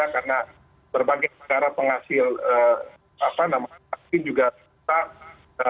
karena berbagai negara penghasil vaksin juga